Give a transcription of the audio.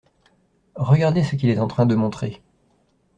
Regardez ce qu’il est en train de montrer.